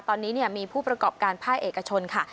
ตอนนี้มีผู้ประกอบการภาคเอกชนค่ะ